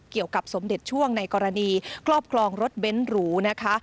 เกี่ยวกับสมเด็จช่วงในกรณีกรอบกลองรถเบ้นหรูนะคะ